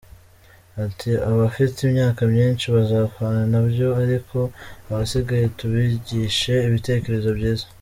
Ati”Abafite imyaka myinshi bazapfana na byo ariko abasigaye tubigishe ibitekerezo byiza.